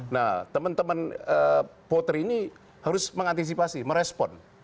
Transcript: nah teman teman voter ini harus mengantisipasi merespon